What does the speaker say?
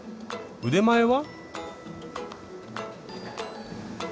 腕前は？